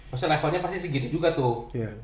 maksudnya levelnya pasti segini juga tuh